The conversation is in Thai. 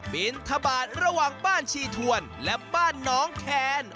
บินทบาทระหว่างบ้านชีทวนและบ้านน้องแคน